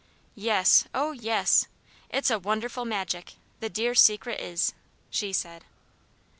"Yes, oh, yes! It's a wonderful magic the dear Secret is," she said.